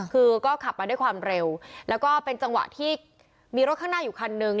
คือก็ขับมาด้วยความเร็วแล้วก็เป็นจังหวะที่มีรถข้างหน้าอยู่คันนึง